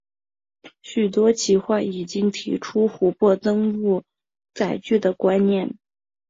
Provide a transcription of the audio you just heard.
许多企划已经提出湖泊登陆载具的观念。